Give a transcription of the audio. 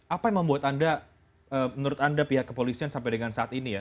apa yang membuat anda menurut anda pihak kepolisian sampai dengan saat ini ya